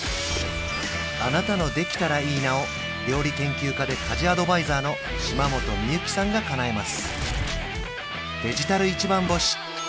あなたの「できたらいいな」を料理研究家で家事アドバイザーの島本美由紀さんがかなえます